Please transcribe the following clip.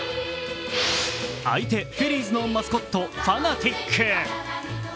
相手フィリーズのマスコットファナティック。